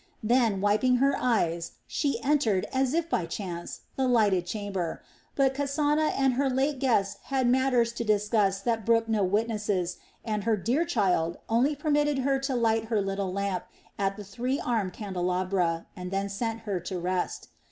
Then, wiping her eyes, she entered, as if by chance, the lighted chamber; but Kasana and her late guest had matters to discuss that brooked no witnesses, and her "dear child" only permitted her to light her little lamp at the three armed candelabra, and then sent her to rest.